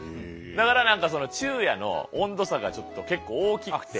だから何か昼夜の温度差がちょっと結構大きくて。